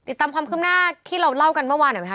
ติดตามความขึ้นหน้าที่เราเล่ากันเมื่อวานไหมคะ